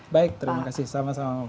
baik terima kasih sama sama